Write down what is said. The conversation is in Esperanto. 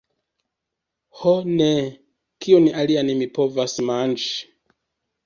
Ho, neeeee... kion alian mi povas manĝi?